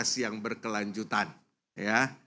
proses yang berkelanjutan ya